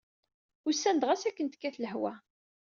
Usan-d ɣas akken tekkat lehwa.